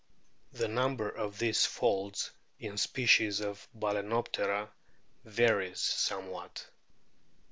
The number of these folds in species of Balanop tera varies somewhat.